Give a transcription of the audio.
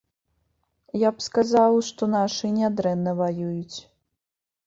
Я б сказаў, што нашыя нядрэнна ваююць.